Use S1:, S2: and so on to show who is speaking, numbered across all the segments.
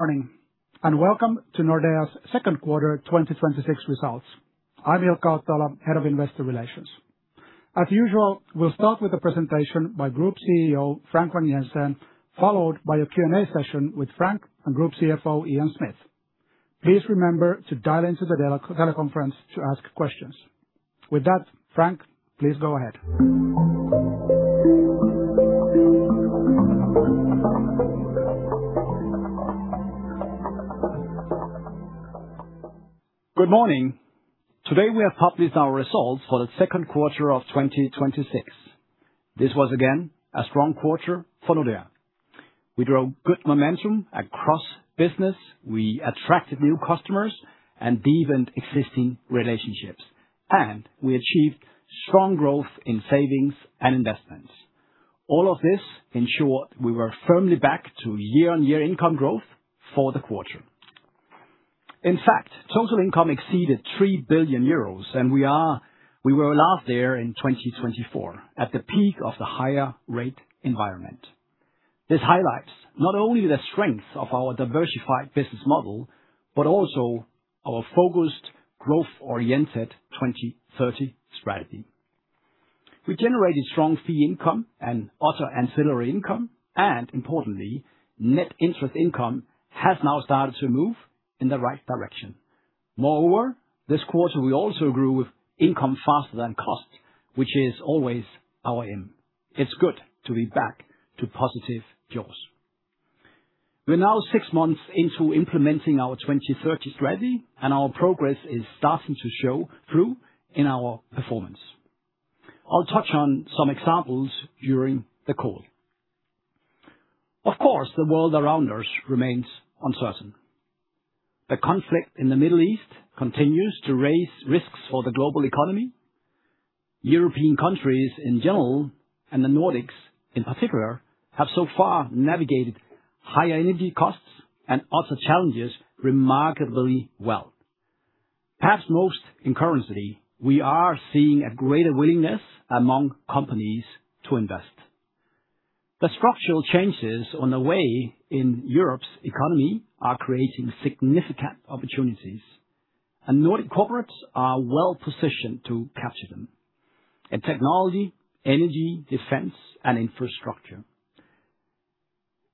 S1: Morning, welcome to Nordea's second quarter 2026 results. I'm Ilkka Ottoila, Head of Investor Relations. As usual, we'll start with a presentation by Group CEO Frank Vang-Jensen, followed by a Q&A session with Frank and Group CFO Ian Smith. Please remember to dial into the teleconference to ask questions. With that, Frank, please go ahead.
S2: Good morning. Today we have published our results for the second quarter of 2026. This was, again, a strong quarter for Nordea. We drove good momentum across business. We attracted new customers and deepened existing relationships. We achieved strong growth in savings and investments. All of this ensure we were firmly back to year-on-year income growth for the quarter. In fact, total income exceeded 3 billion euros. We were last there in 2024 at the peak of the higher rate environment. This highlights not only the strength of our diversified business model, but also our focused growth-oriented 2030 strategy. We generated strong fee income and other ancillary income, and importantly, net interest income has now started to move in the right direction. Moreover, this quarter, we also grew income faster than cost, which is always our aim. It's good to be back to positive jaws. We're now six months into implementing our 2030 strategy, and our progress is starting to show through in our performance. I'll touch on some examples during the call. Of course, the world around us remains uncertain. The conflict in the Middle East continues to raise risks for the global economy. European countries in general, and the Nordics in particular, have so far navigated higher energy costs and other challenges remarkably well. Perhaps most encouragingly, we are seeing a greater willingness among companies to invest. The structural changes on the way in Europe's economy are creating significant opportunities, and Nordic corporates are well-positioned to capture them. In technology, energy, defense, and infrastructure,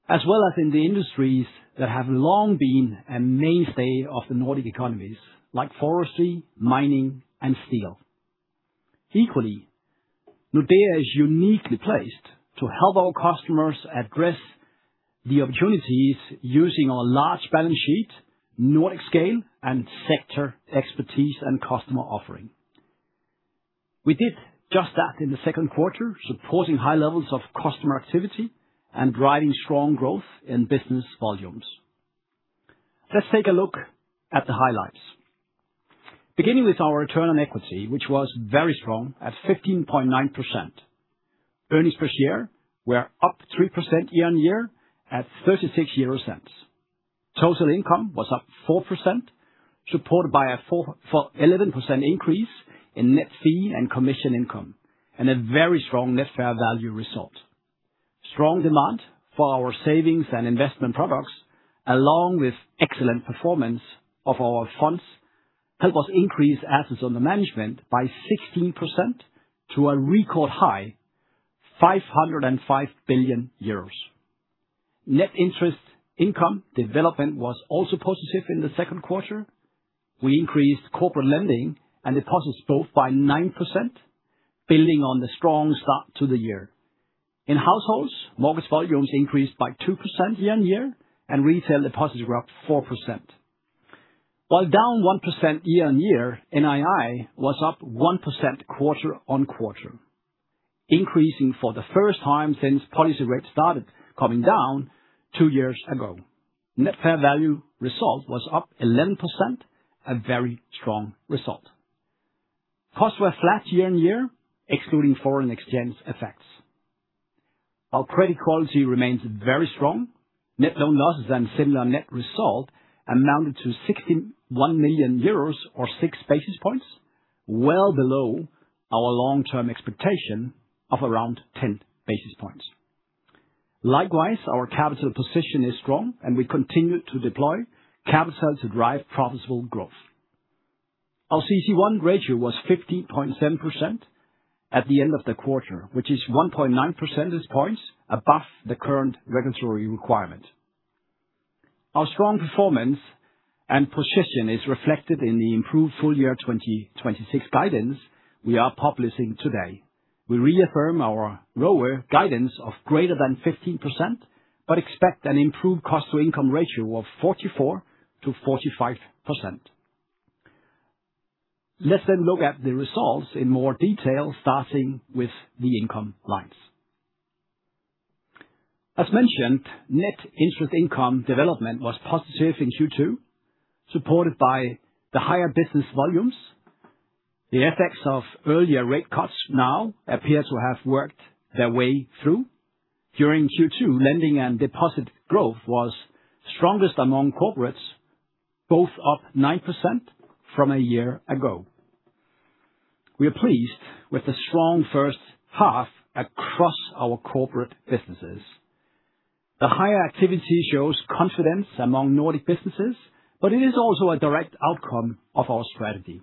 S2: as well as in the industries that have long been a mainstay of the Nordic economies like forestry, mining, and steel. Equally, Nordea is uniquely placed to help our customers address the opportunities using our large balance sheet, Nordic scale, and sector expertise and customer offering. We did just that in the second quarter, supporting high levels of customer activity and driving strong growth in business volumes. Let's take a look at the highlights. Beginning with our return on equity, which was very strong at 15.9%. Earnings per share were up 3% year-on-year at 0.36. Total income was up 4%, supported by an 11% increase in net fee and commission income, and a very strong net fair value result. Strong demand for our savings and investment products, along with excellent performance of our funds, helped us increase assets under management by 16% to a record high 505 billion euros. Net interest income development was also positive in the second quarter. We increased corporate lending and deposits both by 9%, building on the strong start to the year. In households, mortgage volumes increased by 2% year-on-year, and retail deposits were up 4%. While down 1% year-on-year, NII was up 1% quarter-on-quarter, increasing for the first time since policy rates started coming down two years ago. Net fair value result was up 11%, a very strong result. Costs were flat year-on-year, excluding foreign exchange effects. Our credit quality remains very strong. Net loan losses and similar net result amounted to 61 million euros or 6 basis points, well below our long-term expectation of around 10 basis points. Likewise, our capital position is strong, and we continue to deploy capital to drive profitable growth. Our CET1 ratio was 15.7% at the end of the quarter, which is 1.9 percentage points above the current regulatory requirement. Our strong performance and position is reflected in the improved full year 2026 guidance we are publishing today. We reaffirm our lower guidance of greater than 15%, but expect an improved cost-to-income ratio of 44%-45%. Let's look at the results in more detail, starting with the income lines. As mentioned, net interest income development was positive in Q2, supported by the higher business volumes. The effects of earlier rate cuts now appear to have worked their way through. During Q2, lending and deposit growth was strongest among corporates, both up 9% from a year ago. We are pleased with the strong first half across our corporate businesses. The higher activity shows confidence among Nordic businesses, but it is also a direct outcome of our strategy.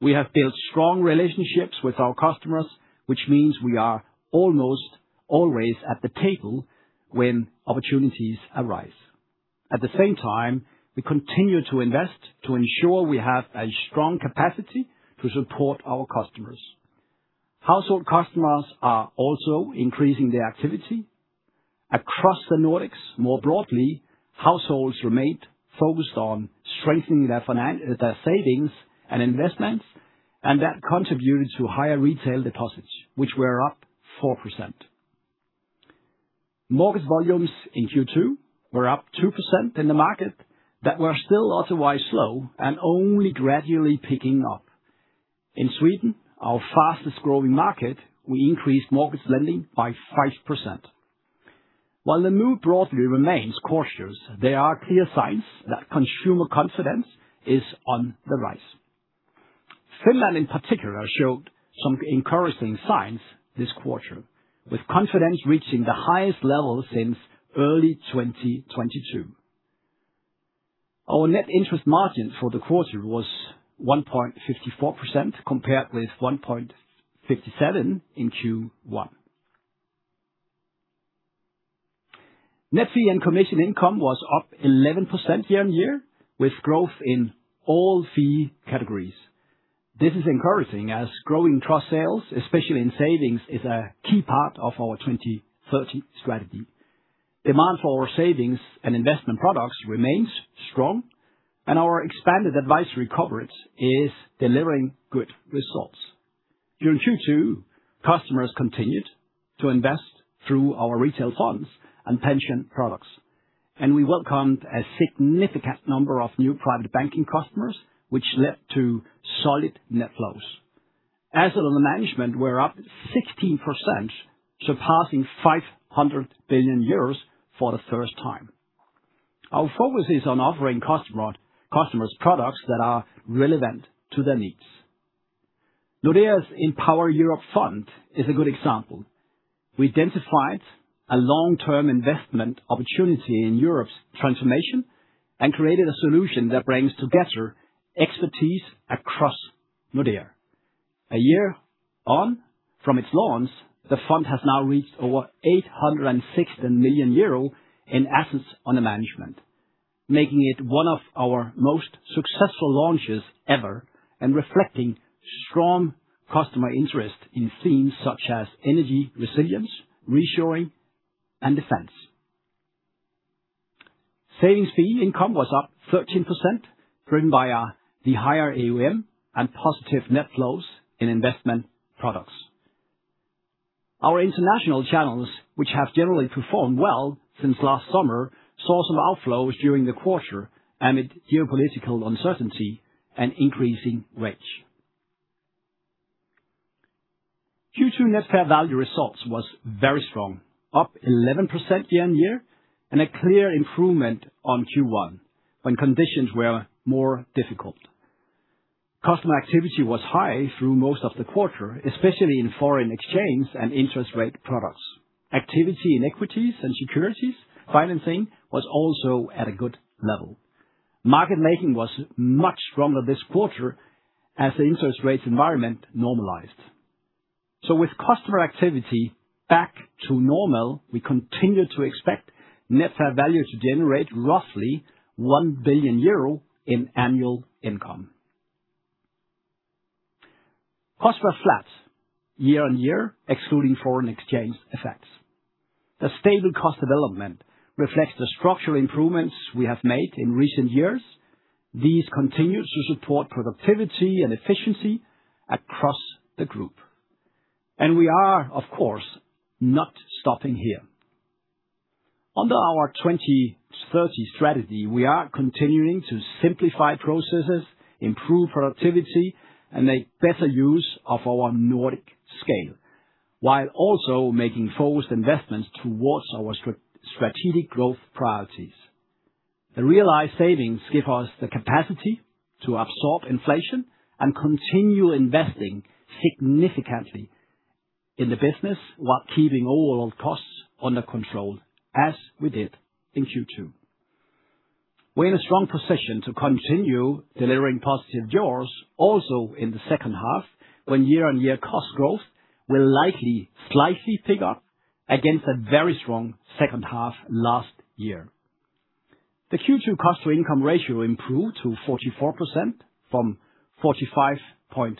S2: We have built strong relationships with our customers, which means we are almost always at the table when opportunities arise. At the same time, we continue to invest to ensure we have a strong capacity to support our customers. Household customers are also increasing their activity. Across the Nordics more broadly, households remained focused on strengthening their savings and investments, and that contributed to higher retail deposits, which were up 4%. Mortgage volumes in Q2 were up 2% in the market that were still otherwise slow and only gradually picking up. In Sweden, our fastest-growing market, we increased mortgage lending by 5%. While the mood broadly remains cautious, there are clear signs that consumer confidence is on the rise. Finland in particular showed some encouraging signs this quarter, with confidence reaching the highest level since early 2022. Our net interest margin for the quarter was 1.54%, compared with 1.57% in Q1. Net fee and commission income was up 11% year-on-year, with growth in all fee categories. This is encouraging as growing cross-sales, especially in savings, is a key part of our 2030 strategy. Demand for our savings and investment products remains strong, and our expanded advisory coverage is delivering good results. During Q2, customers continued to invest through our retail funds and pension products, and we welcomed a significant number of new Private Banking customers, which led to solid net flows. Assets under management were up 16%, surpassing 500 billion euros for the first time. Our focus is on offering customers products that are relevant to their needs. Nordea's Empower Europe Fund is a good example. We identified a long-term investment opportunity in Europe's transformation and created a solution that brings together expertise across Nordea. A year on from its launch, the fund has now reached over 860 million euro in assets under management, making it one of our most successful launches ever and reflecting strong customer interest in themes such as energy resilience, reshoring, and defense. Savings fee income was up 13%, driven by the higher AUM and positive net flows in investment products. Our international channels, which have generally performed well since last summer, saw some outflows during the quarter amid geopolitical uncertainty and increasing rates. Q2 net fair value result was very strong, up 11% year-on-year, and a clear improvement on Q1, when conditions were more difficult. Customer activity was high through most of the quarter, especially in foreign exchange and interest rate products. Activity in equities and securities financing was also at a good level. Market making was much stronger this quarter as the interest rate environment normalized. With customer activity back to normal, we continue to expect net fair value to generate roughly 1 billion euro in annual income. Costs were flat year-on-year, excluding foreign exchange effects. The stable cost development reflects the structural improvements we have made in recent years. These continue to support productivity and efficiency across the group. We are, of course, not stopping here. Under our 2030 strategy, we are continuing to simplify processes, improve productivity, and make better use of our Nordic scale, while also making focused investments towards our strategic growth priorities. The realized savings give us the capacity to absorb inflation and continue investing significantly in the business while keeping overall costs under control, as we did in Q2. We're in a strong position to continue delivering positive jaws also in the second half, when year-on-year cost growth will likely slightly pick up against a very strong second half last year. The Q2 cost-to-income ratio improved to 44% from 45.1%,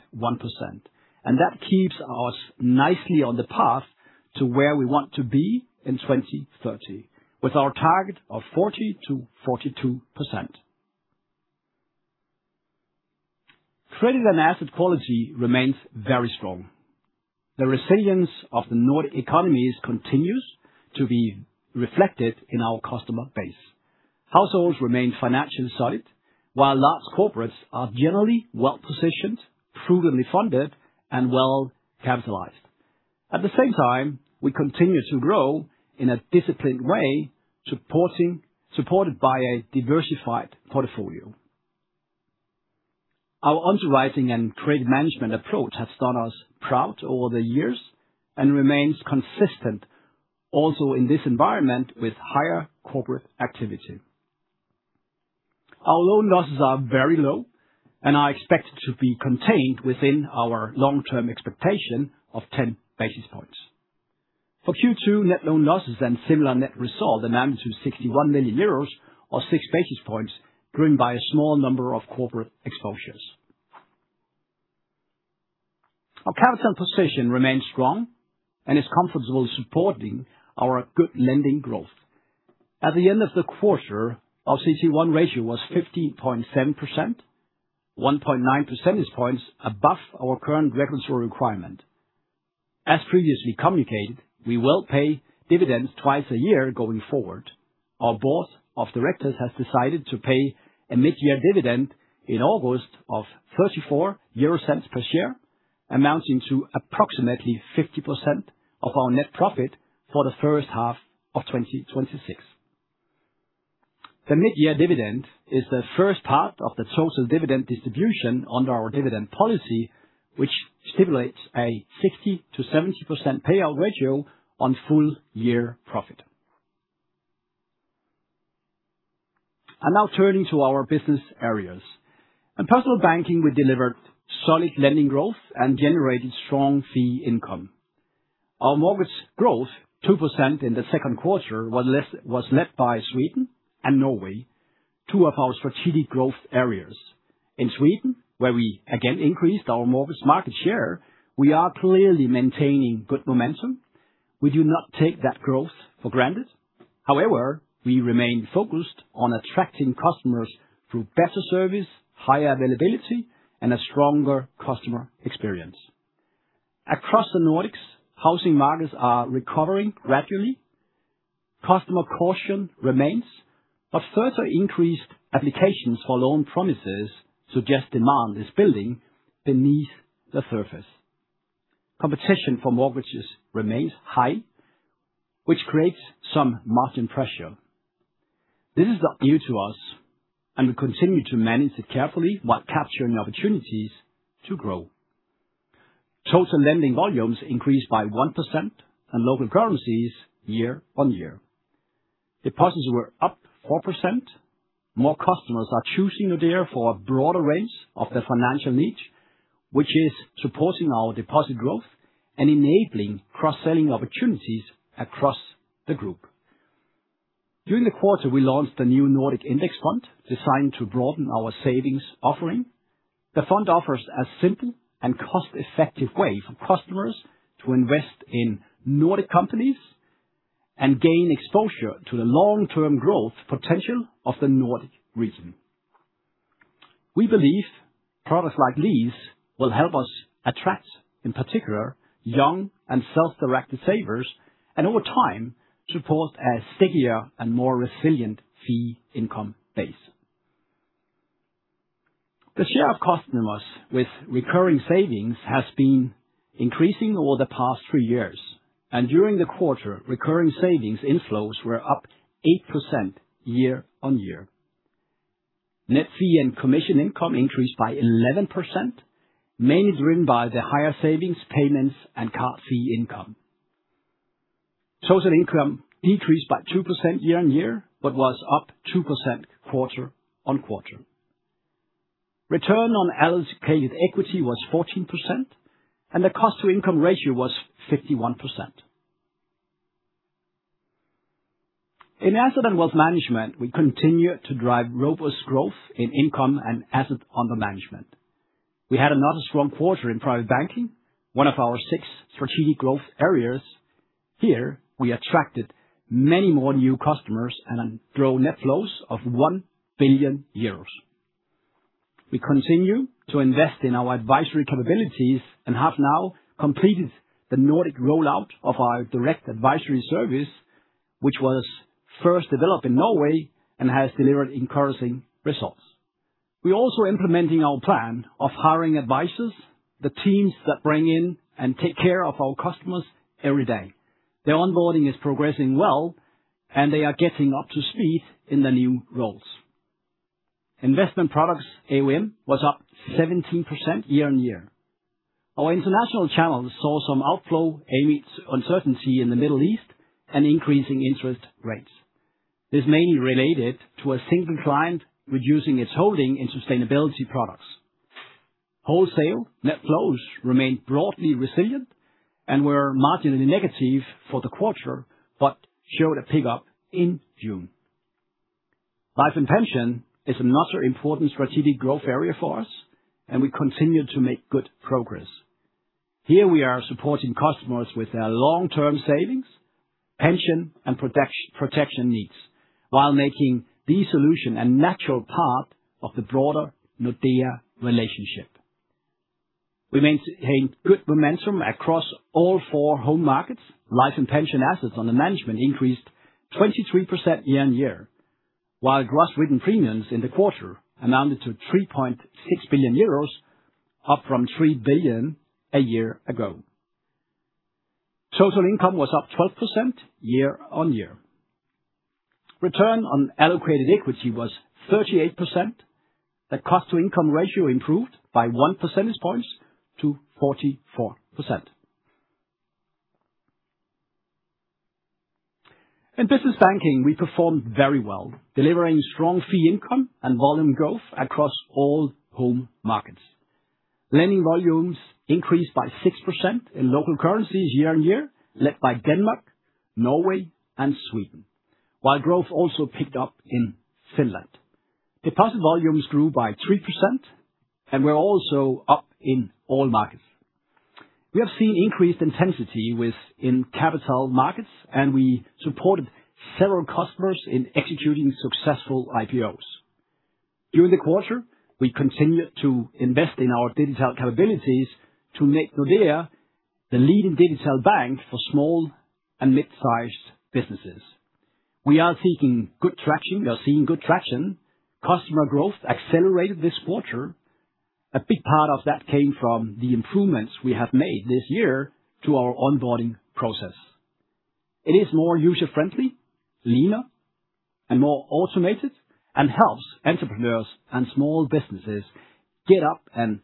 S2: and that keeps us nicely on the path to where we want to be in 2030, with our target of 40%-42%. Credit and asset quality remains very strong. The resilience of the Nordic economies continues to be reflected in our customer base. Households remain financially solid, while Large Corporates are generally well-positioned, prudently funded, and well-capitalized. At the same time, we continue to grow in a disciplined way, supported by a diversified portfolio. Our underwriting and credit management approach has done us proud over the years and remains consistent also in this environment with higher corporate activity. Our loan losses are very low and are expected to be contained within our long-term expectation of 10 basis points. For Q2, net loan losses and similar net resolve amounted to 61 million euros or 6 basis points, driven by a small number of corporate exposures. Our capital position remains strong and is comfortably supporting our good lending growth. At the end of the quarter, our CET1 ratio was 15.7%, 1.9 percentage points above our current regulatory requirement. As previously communicated, we will pay dividends twice a year going forward. Our board of directors has decided to pay a mid-year dividend in August of 0.34 per share, amounting to approximately 50% of our net profit for the first half of 2026. The mid-year dividend is the first part of the total dividend distribution under our dividend policy, which stipulates a 60%-70% payout ratio on full year profit. Now turning to our business areas. In Personal Banking, we delivered solid lending growth and generated strong fee income. Our mortgage growth, 2% in the second quarter, was led by Sweden and Norway, two of our strategic growth areas. In Sweden, where we again increased our mortgage market share, we are clearly maintaining good momentum. We do not take that growth for granted. We remain focused on attracting customers through better service, higher availability, and a stronger customer experience. Across the Nordics, housing markets are recovering gradually. Customer caution remains, but further increased applications for loan promises suggest demand is building beneath the surface. Competition for mortgages remains high, which creates some margin pressure. This is not new to us, we continue to manage it carefully while capturing opportunities to grow. Total lending volumes increased by 1% in local currencies year-on-year. Deposits were up 4%. More customers are choosing Nordea for a broader range of their financial needs, which is supporting our deposit growth and enabling cross-selling opportunities across the group. During the quarter, we launched the new Nordic Index Fund, designed to broaden our savings offering. The fund offers a simple and cost-effective way for customers to invest in Nordic companies and gain exposure to the long-term growth potential of the Nordic region. We believe products like these will help us attract, in particular, young and self-directed savers, and over time, support a stickier and more resilient fee income base. The share of customers with recurring savings has been increasing over the past three years. During the quarter, recurring savings inflows were up 8% year-on-year. Net fee and commission income increased by 11%, mainly driven by the higher savings payments and card fee income. Total income decreased by 2% year-on-year but was up 2% quarter-on-quarter. Return on allocated equity was 14%, and the cost-to-income ratio was 51%. In Asset & Wealth Management, we continue to drive robust growth in income and assets under management. We had another strong quarter in Private Banking, one of our six strategic growth areas. Here, we attracted many more new customers and grew net flows of 1 billion euros. We continue to invest in our advisory capabilities and have now completed the Nordic rollout of our direct advisory service, which was first developed in Norway and has delivered encouraging results. We're also implementing our plan of hiring advisors, the teams that bring in and take care of our customers every day. Their onboarding is progressing well, and they are getting up to speed in their new roles. Investment products AUM was up 17% year-on-year. Our international channels saw some outflow amid uncertainty in the Middle East and increasing interest rates, is mainly related to a single client reducing its holding in sustainability products. Wholesale net flows remained broadly resilient and were marginally negative for the quarter but showed a pickup in June. Life & Pension is another important strategic growth area for us, and we continue to make good progress. Here we are supporting customers with their long-term savings, pension, and protection needs while making the solution a natural part of the broader Nordea relationship. We maintain good momentum across all four home markets. Life & Pension assets under management increased 23% year-on-year. Gross written premiums in the quarter amounted to 3.6 billion euros, up from 3 billion a year ago. Total income was up 12% year-on-year. Return on allocated equity was 38%. The cost-to-income ratio improved by 1 percentage point to 44%. In Business Banking, we performed very well, delivering strong fee income and volume growth across all home markets. Lending volumes increased by 6% in local currencies year-on-year, led by Denmark, Norway, and Sweden, while growth also picked up in Finland. Deposit volumes grew by 3% and were also up in all markets. We have seen increased intensity within capital markets, we supported several customers in executing successful IPOs. During the quarter, we continued to invest in our digital capabilities to make Nordea the leading digital bank for small and mid-sized businesses. We are seeing good traction. Customer growth accelerated this quarter. A big part of that came from the improvements we have made this year to our onboarding process. It is more user-friendly, leaner, and more automated, helps entrepreneurs and small businesses get up and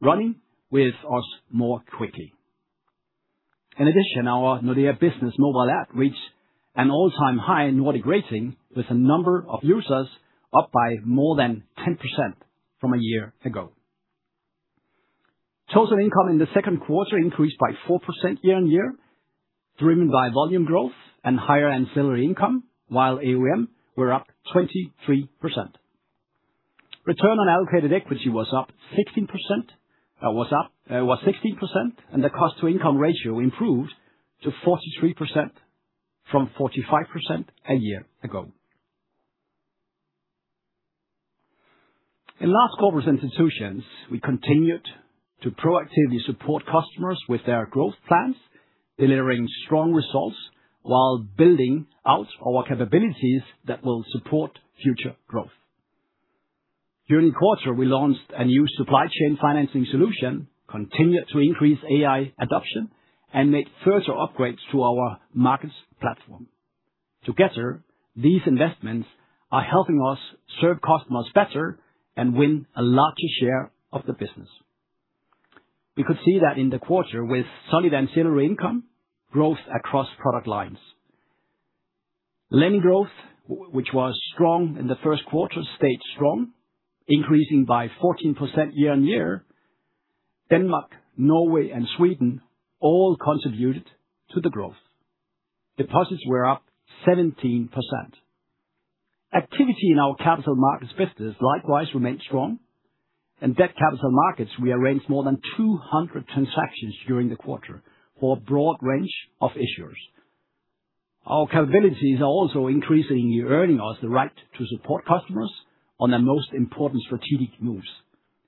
S2: running with us more quickly. In addition, our Nordea Business mobile app reached an all-time high Nordic rating, with the number of users up by more than 10% from a year ago. Total income in the second quarter increased by 4% year-on-year, driven by volume growth and higher ancillary income, while AUM were up 23%. Return on allocated equity was 16%, the cost-to-income ratio improved to 43% from 45% a year ago. In Large Corporates & Institutions, we continued to proactively support customers with their growth plans, delivering strong results while building out our capabilities that will support future growth. During the quarter, we launched a new supply chain financing solution, continued to increase AI adoption, and made further upgrades to our markets platform. Together, these investments are helping us serve customers better and win a larger share of the business. We could see that in the quarter with solid ancillary income growth across product lines. Lending growth, which was strong in the first quarter, stayed strong, increasing by 14% year-on-year. Denmark, Norway, and Sweden all contributed to the growth. Deposits were up 17%. Activity in our capital markets business likewise remained strong. In debt capital markets, we arranged more than 200 transactions during the quarter for a broad range of issuers. Our capabilities are also increasingly earning us the right to support customers on their most important strategic moves,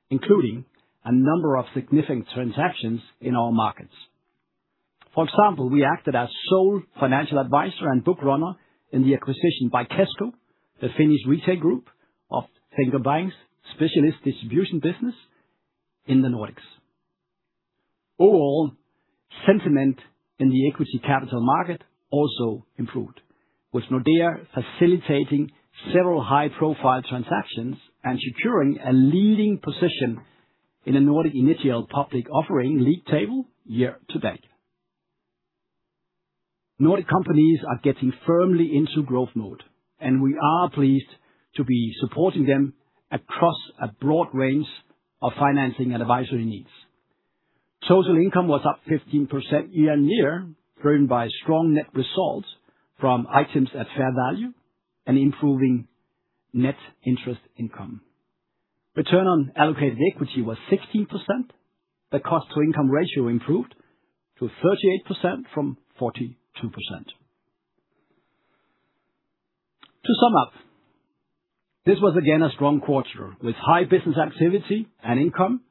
S2: including a number of significant transactions in our markets. For example, we acted as sole financial advisor and book runner in the acquisition by Kesko, the Finnish retail group, of DNB Bank's specialist distribution business in the Nordics. Overall, sentiment in the equity capital market also improved, with Nordea facilitating several high-profile transactions and securing a leading position in the Nordic initial public offering league table year-to-date. Nordic companies are getting firmly into growth mode, we are pleased to be supporting them across a broad range of financing and advisory needs. Total income was up 15% year-on-year, driven by strong net results from items at fair value and improving net interest income. Return on allocated equity was 16%. The cost-to-income ratio improved to 38% from 42%. To sum up, this was again a strong quarter with high business activity and income,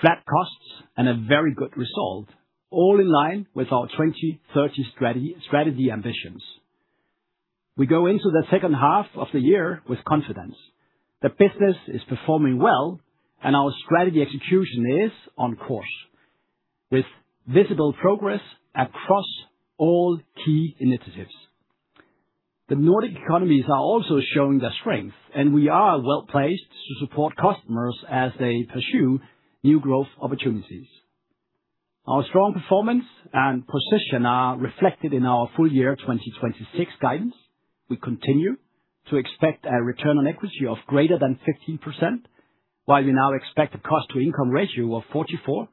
S2: flat costs, and a very good result, all in line with our 2030 strategy ambitions. We go into the second half of the year with confidence. The business is performing well, our strategy execution is on course, with visible progress across all key initiatives. The Nordic economies are also showing their strength, and we are well-placed to support customers as they pursue new growth opportunities. Our strong performance and position are reflected in our full year 2026 guidance. We continue to expect a return on equity of greater than 15%, while we now expect a cost-to-income ratio of 44%-45%.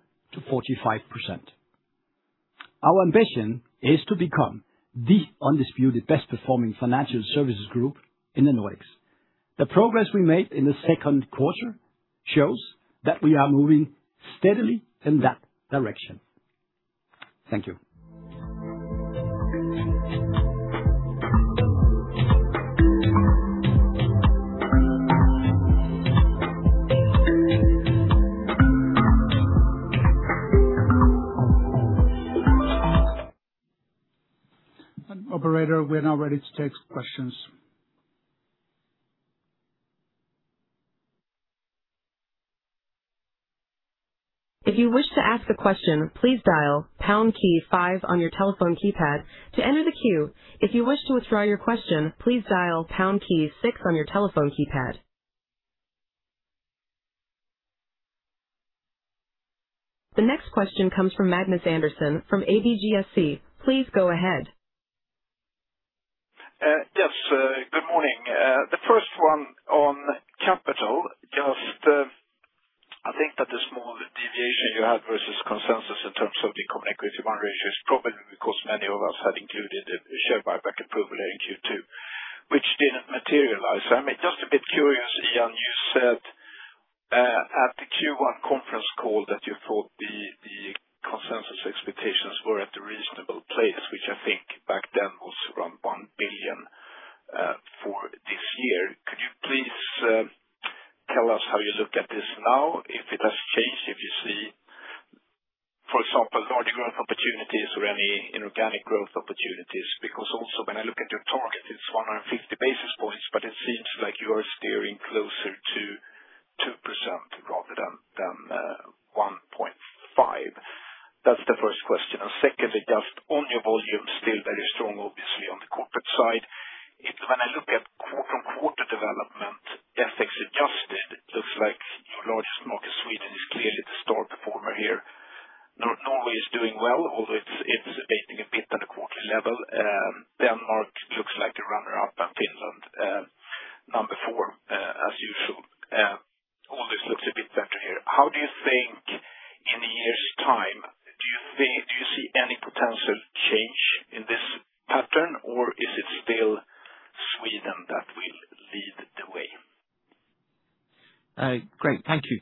S2: Our ambition is to become the undisputed best performing financial services group in the Nordics. The progress we made in the second quarter shows that we are moving steadily in that direction. Thank you.
S1: Operator, we are now ready to take questions.
S3: If you wish to ask a question, please dial pound key five on your telephone keypad to enter the queue. If you wish to withdraw your question, please dial pound key six on your telephone keypad. The next question comes from Magnus Andersson from ABGSC. Please go ahead.
S4: Yes. Good morning. The first one on capital, I think that the small deviation you have versus consensus in terms of the Common Equity Tier 1 ratio is probably because many of us had included the share buyback approval in Q2, which didn't materialize. I'm just a bit curious, Ian, you said at the Q1 conference call that you thought the consensus expectations were at a reasonable place, which I think back then was around 1 billion for this year. Could you please tell us how you look at this now, if it has changed, if you see, for example, large growth opportunities or any inorganic growth opportunities? Because also when I look at your target, it's 150 basis points, but it seems like you are steering closer to 2% rather than 1.5%.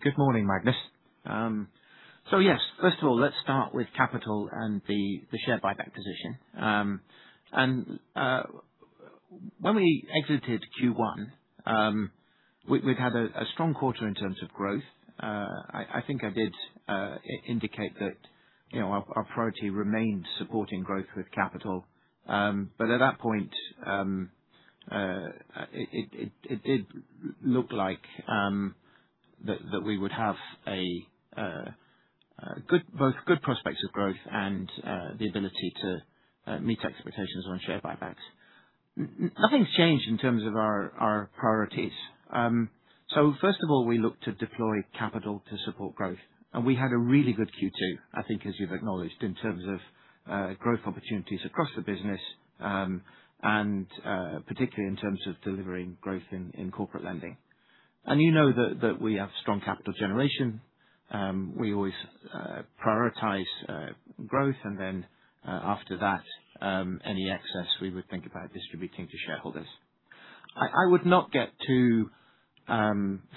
S5: Good morning, Magnus. Yes. First of all, let's start with capital and the share buyback position. When we exited Q1, we'd had a strong quarter in terms of growth. I think I did indicate that our priority remained supporting growth with capital. At that point, it looked like that we would have both good prospects of growth and the ability to meet expectations on share buybacks. Nothing's changed in terms of our priorities. First of all, we look to deploy capital to support growth. We had a really good Q2, I think as you've acknowledged, in terms of growth opportunities across the business, and particularly in terms of delivering growth in corporate lending. You know that we have strong capital generation. We always prioritize growth and then after that, any excess we would think about distributing to shareholders. I would not get too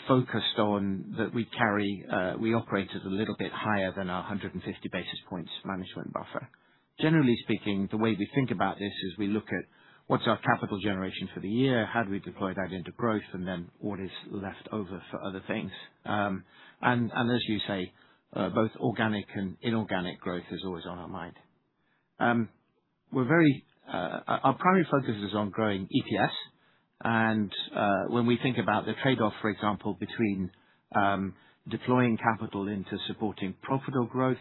S5: focused on that we operate at a little bit higher than our 150 basis points management buffer. Generally speaking, the way we think about this is we look at what's our capital generation for the year, how do we deploy that into growth, and then what is left over for other things. As you say, both organic and inorganic growth is always on our mind. Our primary focus is on growing EPS and when we think about the trade-off, for example, between deploying capital into supporting profitable growth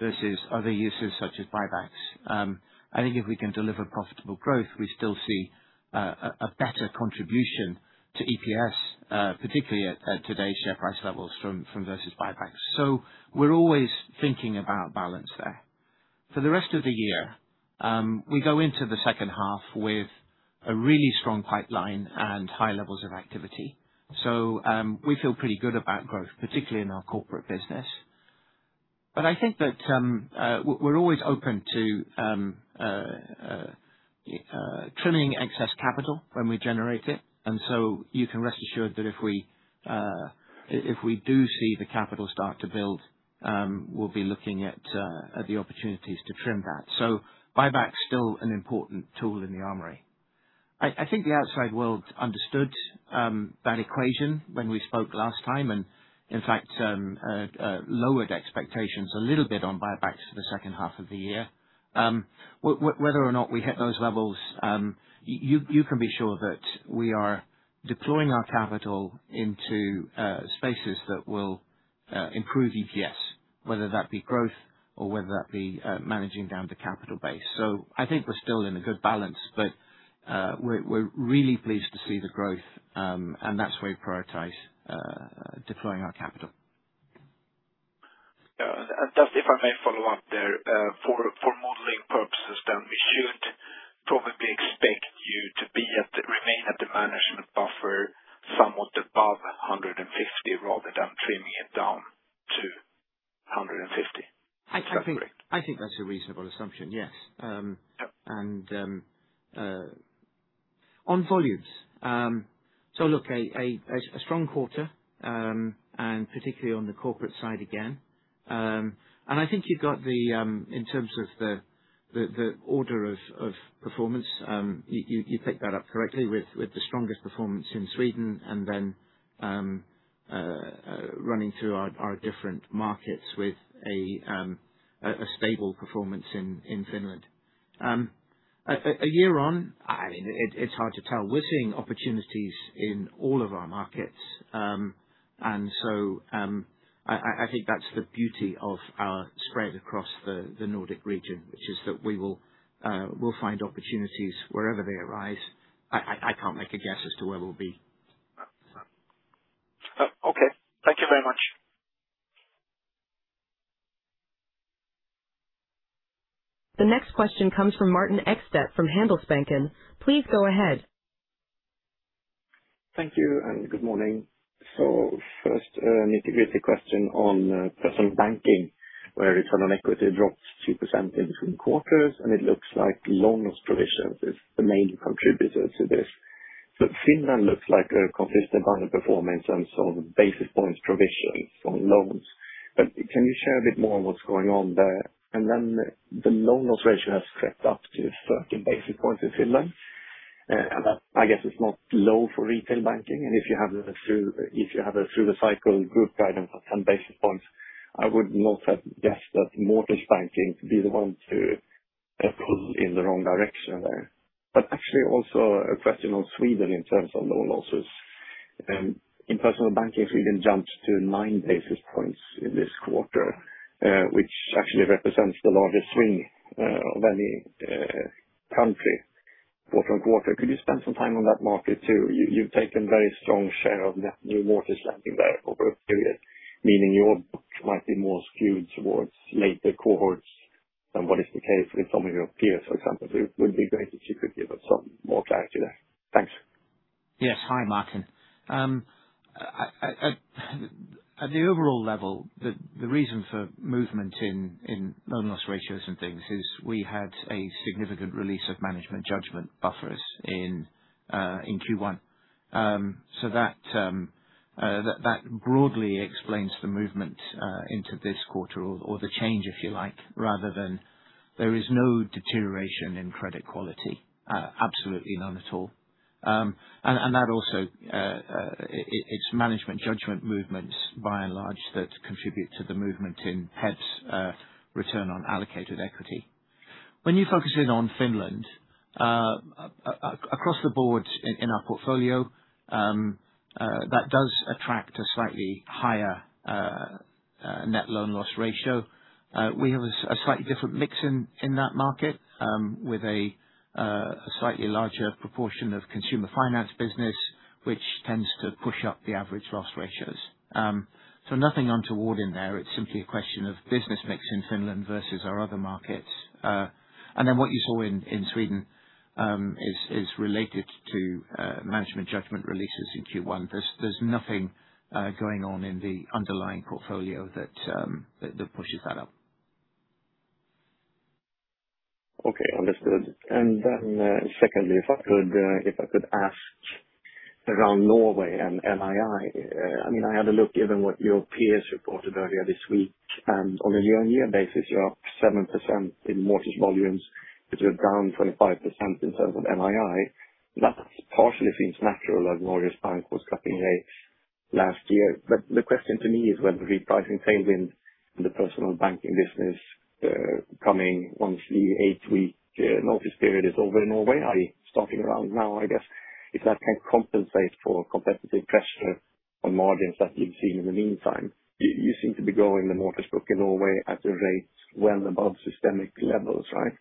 S5: versus other uses such as buybacks. I think if we can deliver profitable growth, we still see a better contribution to EPS, particularly at today's share price levels from versus buybacks. We're always thinking about balance there. For the rest of the year, we go into the second half with a really strong pipeline and high levels of activity. We feel pretty good about growth, particularly in our corporate business. I think that we're always open to trimming excess capital when we generate it. You can rest assured that if we do see the capital start to build, we'll be looking at the opportunities to trim that. Buyback's still an important tool in the armory. I think the outside world understood that equation when we spoke last time, and in fact, lowered expectations a little bit on buybacks for the second half of the year. Whether or not we hit those levels, you can be sure that we are deploying our capital into spaces that will improve EPS, whether that be growth or whether that be managing down the capital base. I think we're still in a good balance, but we're really pleased to see the growth, and that's where we prioritize deploying our capital.
S4: Yeah. Just if I may follow up there. For modeling purposes, we should probably expect you to remain at the management buffer somewhat above 150 basis points rather than trimming it down to 150 basis points. Is that correct?
S5: I think that's a reasonable assumption, yes.
S4: Yeah.
S5: On volumes. Look, a strong quarter, particularly on the corporate side again. I think you've got the, in terms of the order of performance, you picked that up correctly with the strongest performance in Sweden, running through our different markets with a stable performance in Finland. A year on, it's hard to tell. We're seeing opportunities in all of our markets. I think that's the beauty of our spread across the Nordic region, which is that we'll find opportunities wherever they arise. I can't make a guess as to where we'll be.
S4: Okay. Thank you very much.
S3: The next question comes from Martin Ekstedt from Handelsbanken. Please go ahead.
S6: Thank you, good morning. First, an integrity question on Personal Banking, where return on equity dropped 2% in between quarters, it looks like loan loss provisions is the main contributor to this. Finland looks like a consistent underperformance and some basis points provisions on loans. Can you share a bit more on what's going on there? The loan loss ratio has crept up to 30 basis points in Finland. That, I guess, is not low for retail banking. If you have it through the cycle group guidance of 10 basis points, I would not have guessed that mortgage banking to be the one to pull in the wrong direction there. Actually also a question on Sweden in terms of loan losses. In Personal Banking, Sweden jumped to 9 basis points in this quarter, which actually represents the largest swing of any country quarter-on-quarter. Could you spend some time on that market too? You've taken very strong share of net new mortgage lending there over a period, meaning your book might be more skewed towards later cohorts than what is the case with some of your peers, for example. It would be great if you could give us some more clarity there. Thanks.
S5: Yes. Hi, Martin. At the overall level, the reason for movement in loan loss ratios and things is we had a significant release of management judgment buffers in Q1. That broadly explains the movement into this quarter or the change, if you like, rather than there is no deterioration in credit quality. Absolutely none at all. That also, it's management judgment movements by and large, that contribute to the movement in hedged return on allocated equity. When you focus in on Finland, across the board in our portfolio, that does attract a slightly higher net loan loss ratio. We have a slightly different mix in that market, with a slightly larger proportion of consumer finance business, which tends to push up the average loss ratios. Nothing untoward in there. It's simply a question of business mix in Finland versus our other markets. What you saw in Sweden is related to management judgment releases in Q1. There's nothing going on in the underlying portfolio that pushes that up.
S6: Okay, understood. Secondly, if I could ask around Norway and NII. I had a look, given what your peers reported earlier this week, on a year-on-year basis, you're up 7% in mortgage volumes, but you're down 25% in terms of NII. That partially seems natural, as Norges Bank was cutting rates last year. The question to me is whether the repricing failed in the Personal Banking business coming once the eight-week notice period is over in Norway, are you starting around now, I guess. If that can compensate for competitive pressure on margins that we've seen in the meantime. You seem to be growing the mortgage book in Norway at a rate well above systemic levels, right?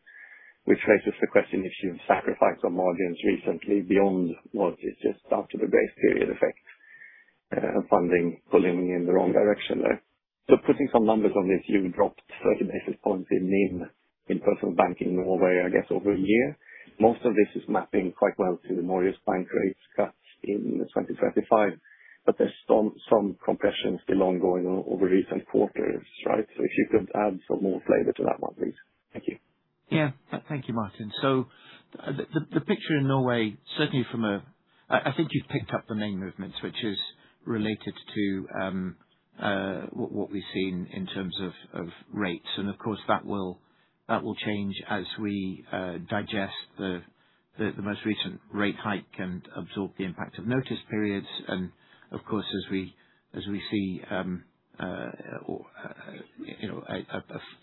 S6: Which raises the question if you've sacrificed on margins recently beyond what is just after the base period effect funding pulling in the wrong direction there. Putting some numbers on this, you dropped 30 basis points in NIM in Personal Banking in Norway, I guess, over a year. Most of this is mapping quite well to the Norges Bank rates cut in 2025, there's some compression still ongoing over recent quarters, right? If you could add some more flavor to that one, please. Thank you.
S5: Yeah. Thank you, Martin. The picture in Norway, certainly from a I think you've picked up the main movements, which is related to what we've seen in terms of rates. Of course, that will change as we digest the most recent rate hike and absorb the impact of notice periods. Of course, as we see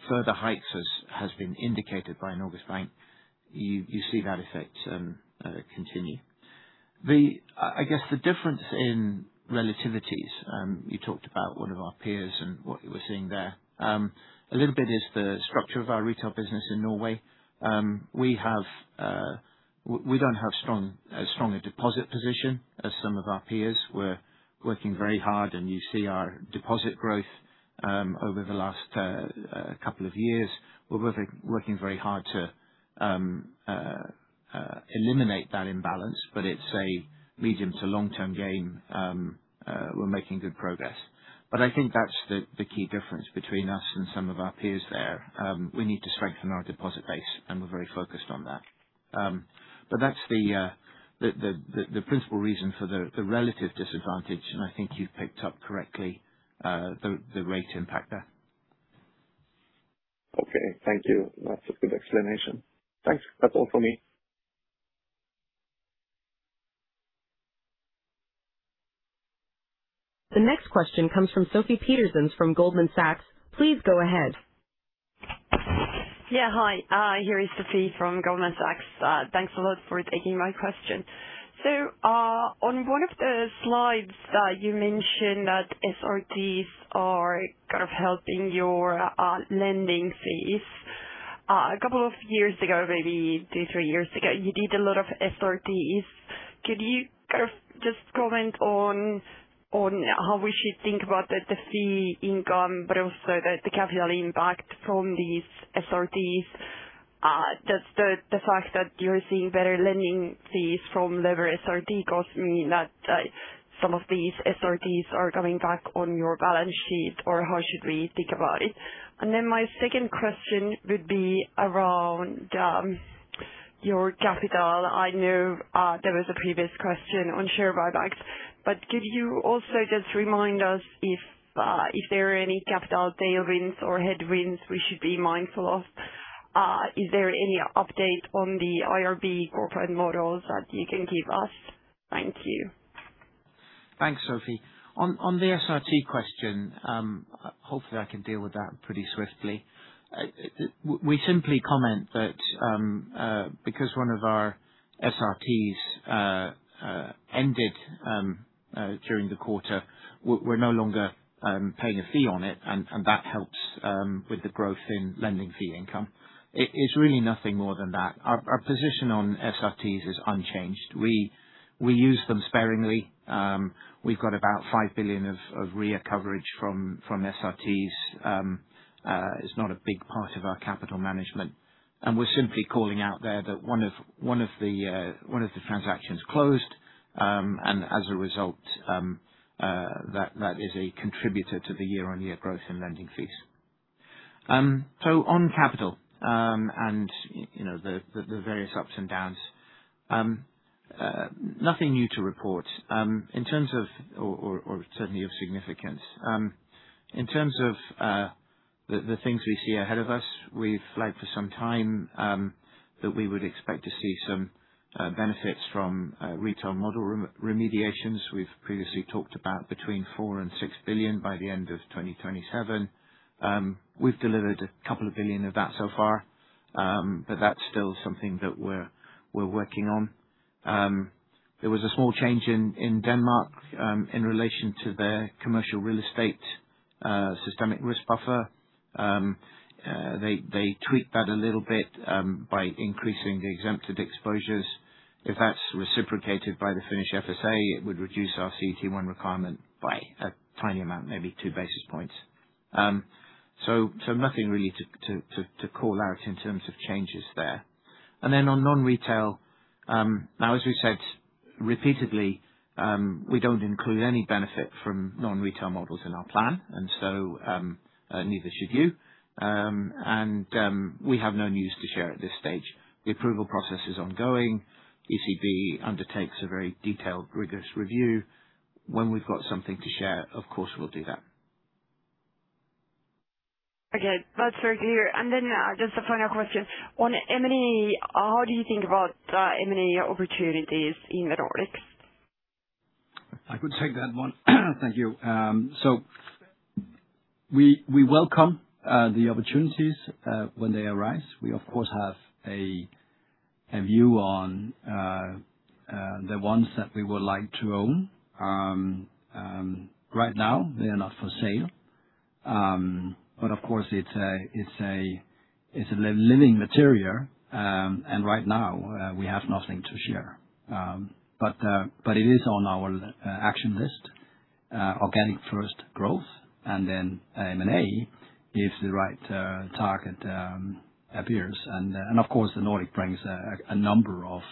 S5: further hikes as has been indicated by Norges Bank. You see that effect continue. I guess the difference in relativities, you talked about one of our peers and what you were seeing there. A little bit is the structure of our retail business in Norway. We don't have as strong a deposit position as some of our peers. We're working very hard, and you see our deposit growth over the last couple of years. We're working very hard to eliminate that imbalance, it's a medium to long-term gain. We're making good progress. I think that's the key difference between us and some of our peers there. We need to strengthen our deposit base, and we're very focused on that. That's the principal reason for the relative disadvantage, and I think you've picked up correctly the rate impact there.
S6: Okay, thank you. That's a good explanation. Thanks. That's all for me.
S3: The next question comes from Sofie Peterzéns from Goldman Sachs. Please go ahead.
S7: Yeah. Hi, here is Sofie from Goldman Sachs. Thanks a lot for taking my question. On one of the slides that you mentioned that SRTs are kind of helping your lending fees. A couple of years ago, maybe two, three years ago, you did a lot of SRTs. Could you kind of just comment on how we should think about the fee income, but also the capital impact from these SRTs? Does the fact that you're seeing better lending fees from lower SRT costs mean that some of these SRTs are coming back on your balance sheet? How should we think about it? My second question would be around your capital. I know there was a previous question on share buybacks, but could you also just remind us if there are any capital tailwinds or headwinds we should be mindful of? Is there any update on the IRB corporate models that you can give us? Thank you.
S5: Thanks, Sofie. On the SRT question, hopefully, I can deal with that pretty swiftly. We simply comment that because one of our SRTs ended during the quarter, we're no longer paying a fee on it, and that helps with the growth in lending fee income. It's really nothing more than that. Our position on SRTs is unchanged. We use them sparingly. We've got about 5 billion of RWA coverage from SRTs. It's not a big part of our capital management. We're simply calling out there that one of the transactions closed, and as a result, that is a contributor to the year-on-year growth in lending fees. On capital, and the various ups and downs, nothing new to report or certainly of significance. In terms of the things we see ahead of us, we've flagged for some time, that we would expect to see some benefits from retail model remediations. We've previously talked about between 4 billion and 6 billion by the end of 2027. We've delivered a couple of billion of that so far, but that's still something that we're working on. There was a small change in Denmark, in relation to their commercial real estate systemic risk buffer. They tweaked that a little bit, by increasing the exempted exposures. If that's reciprocated by the Finnish FSA, it would reduce our CET1 requirement by a tiny amount, maybe 2 basis points. Nothing really to call out in terms of changes there. On non-retail, now as we've said repeatedly, we don't include any benefit from non-retail models in our plan. Neither should you. We have no news to share at this stage. The approval process is ongoing. ECB undertakes a very detailed, rigorous review. When we've got something to share, of course, we'll do that.
S7: Okay. That's very clear. Just a final question. On M&A, how do you think about M&A opportunities in the Nordics?
S2: I could take that one. Thank you. We welcome the opportunities when they arise. We, of course, have a view on the ones that we would like to own. Right now, they are not for sale. Of course, it's a living material. Right now, we have nothing to share. It is on our action list. Organic first growth and then M&A if the right target appears. Of course, the Nordic brings a number of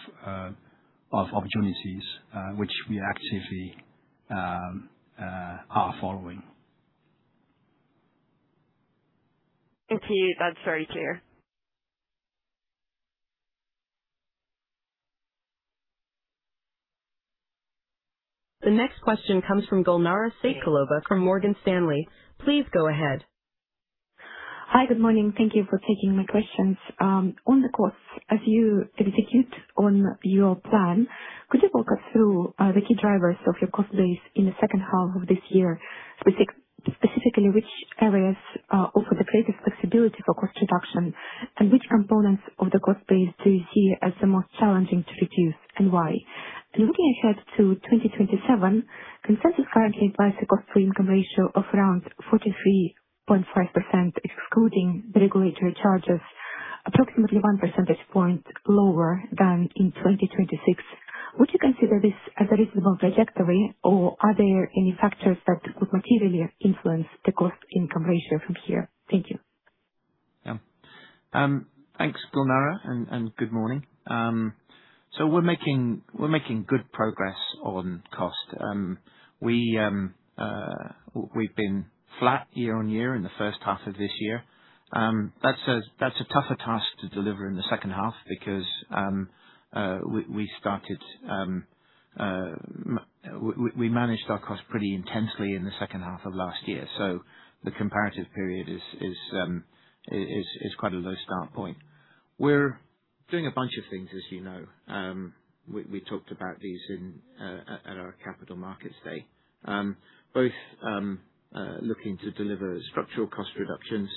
S2: opportunities which we actively are following.
S7: Thank you. That's very clear.
S3: The next question comes from Gulnara Saitkulova from Morgan Stanley. Please go ahead.
S8: Hi. Good morning. Thank you for taking my questions. On the costs, as you execute on your plan, could you walk us through the key drivers of your cost base in the second half of this year? Specifically, which areas offer the greatest flexibility for cost reduction, and which components of the cost base do you see as the most challenging to reduce, and why? Looking ahead to 2027, consensus currently implies a cost-to-income ratio of around 43.5%, excluding the regulatory charges approximately 1 percentage point lower than in 2026. Would you consider this as a reasonable trajectory, or are there any factors that could materially influence the cost-to-income ratio from here? Thank you.
S5: Yeah. Thanks, Gulnara, and good morning. We're making good progress on cost. We've been flat year-on-year in the first half of this year. That's a tougher task to deliver in the second half because we managed our costs pretty intensely in the second half of last year. The comparative period is quite a low start point. We're doing a bunch of things, as you know. We talked about these at our Capital Markets Day. Both looking to deliver structural cost reductions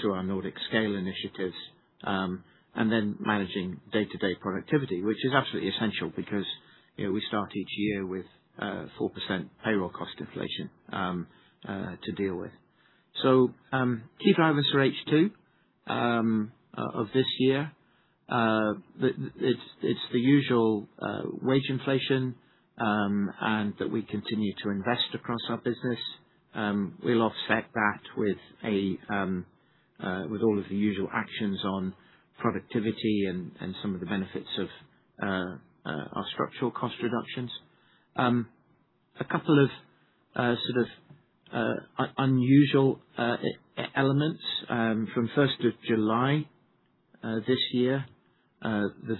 S5: through our Nordic scale initiatives. Then managing day-to-day productivity, which is absolutely essential because we start each year with 4% payroll cost inflation to deal with. Key drivers for H2 of this year, it's the usual wage inflation, and that we continue to invest across our business. We'll offset that with all of the usual actions on productivity and some of the benefits of our structural cost reductions. A couple of unusual elements. From 1st of July this year, the